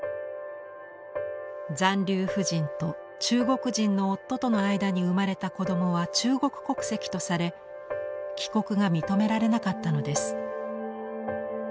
残留婦人と中国人の夫との間に生まれた子どもは中国国籍とされ帰国が認められなかったのです。